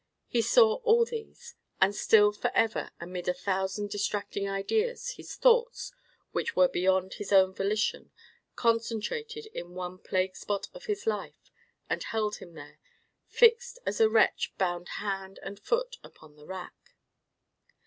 He saw all these, and still for ever, amid a thousand distracting ideas, his thoughts, which were beyond his own volition, concentrated in the one plague spot of his life, and held him there, fixed as a wretch bound hand and foot upon the rack.